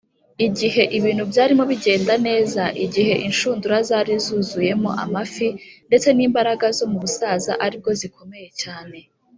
igihe ibintu byarimo bigenda neza, igihe inshundura zari zuzuyemo amafi ndetse n’imbaraga zo mu busaza aribwo zikomeye cyane,